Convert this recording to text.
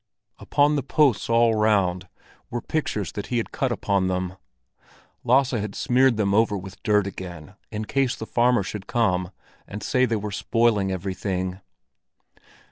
Upon the posts all round there were pictures that he had cut upon them; Lasse had smeared them over with dirt again, in case the farmer should come and say that they were spoiling everything.